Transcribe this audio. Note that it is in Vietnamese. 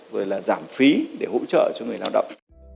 rồi là giảm phí để hỗ trợ cho người lao động